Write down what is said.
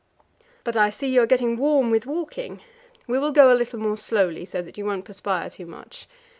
"But I see you are getting warm with walking. We will go a little more slowly, so that you won't perspire too much.